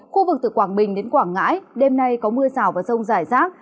khu vực từ quảng bình đến quảng ngãi đêm nay có mưa rào và rông rải rác